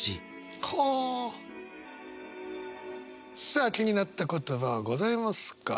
さあ気になった言葉はございますか？